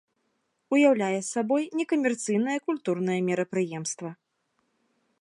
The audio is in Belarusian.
Уяўляе сабой некамерцыйнае культурнае мерапрыемства.